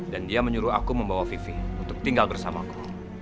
dan dia menyuruh aku membawa vivi untuk tinggal bersamaku